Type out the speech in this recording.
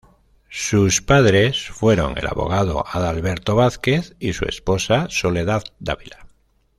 Sus padres fueron el abogado Adalberto Vázquez y su esposa Soledad Dávila.